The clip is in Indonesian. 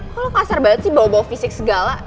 kok lo kasar banget sih bawa bawa fisik segala